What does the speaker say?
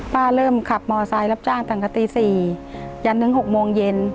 ป้าเริ่มขับมอสายรับจ้างต่างกะตี๔ยันถึง๖โมงเย็น